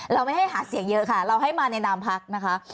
เราไม่ให้หาเสียงเยอะค่ะเราให้มาในนามพักนะคะ